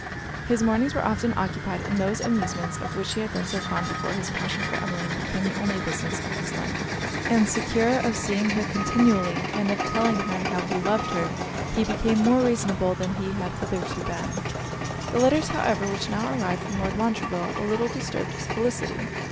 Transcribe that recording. His mornings were often occupied in those amusements of which he had been so fond before his passion for Emmeline became the only business of his life; and secure of seeing her continually, and of telling how he loved her, he became more reasonable than he had hitherto been. The letters, however, which now arrived from Lord Montreville, a little disturbed his felicity.